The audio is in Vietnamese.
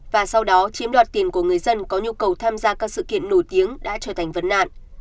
và sau đó chiếm đoạt tiền của người dân có nhu cầu tham gia các sự kiện nổi tiếng đã trở thành vấn nạn